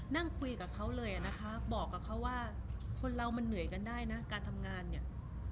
นั่งคุยกับเขาเลยนะคะบอกกับเขาว่าคนเรามันเหนื่อยกันได้นะการทำงานเนี่ย